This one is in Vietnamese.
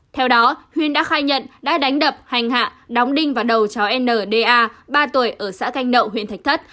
theo đó huyên đã khai nhận đã đánh đập hành hạ đóng đinh vào đầu chó nda ba tuổi ở xã canh đậu huyện thạch thất